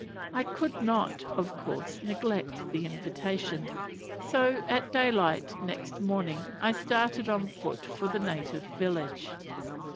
I could not, of course, neglect the invitation, so at daylight next morning I started on foot for the native village.